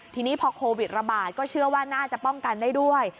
ทีนี้พอโควิดระบาดก็เชื่อว่าน่าจะป้องกันได้ด้วย